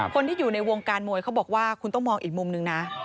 คนที่อยู่ในวงการมวยเขาบอกว่าคุณต้องมองอีกมุมนึงนะ